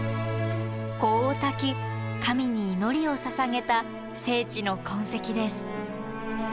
香をたき神に祈りをささげた聖地の痕跡です。